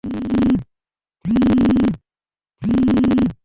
মানবকল্যাণে তাঁর মতো যেসব প্রবাসী কাজ করে যাচ্ছেন, তাঁদের জানাই হাজারো সালাম।